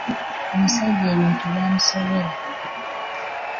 Omusajja ebintu byamusobera!